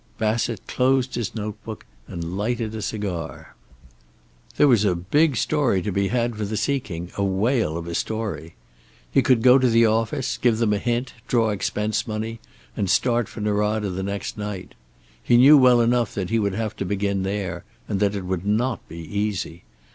Bassett closed his notebook and lighted a cigar. There was a big story to be had for the seeking, a whale of a story. He could go to the office, give them a hint, draw expense money and start for Norada the next night. He knew well enough that he would have to begin there, and that it would not be easy.